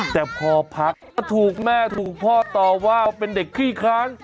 แต่พอพักก็ถูกแม่ถูกพ่อต่อว่าเป็นเด็กขี้ค้าน